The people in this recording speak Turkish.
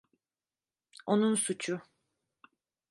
Onun suçu.